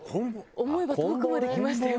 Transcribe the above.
思えば遠くまできましたよ。